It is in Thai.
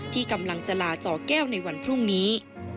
ที่กำลังจะลาจอแก้วในวันพรุ่งนี้